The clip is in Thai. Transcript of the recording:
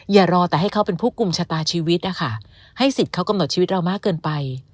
อย่ารอแต่ให้เขาเป็นผู้กลุ่มชะตาชีวิตนะคะให้สิทธิ์เขากำหนดชีวิตเรามากเกินไป